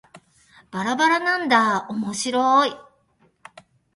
ばらばらなんだーおもしろーい